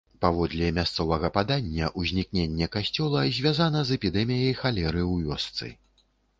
Паводле мясцовага падання, узнікненне касцёла звязана з эпідэміяй халеры ў вёсцы.